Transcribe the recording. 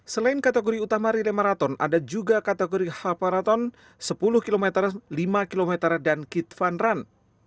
selain kategori utama relay marathon ada juga kategori halparaton sepuluh kilometer lima kilometer dan kit van run